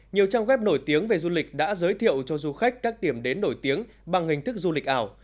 nhiều trang web nổi tiếng về du lịch đã giới thiệu cho du khách các điểm đến nổi tiếng bằng hình thức du lịch ảo